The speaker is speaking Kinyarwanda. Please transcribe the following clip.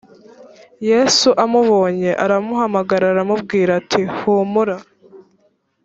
yesu amubonye aramuhamagara aramubwira ati humura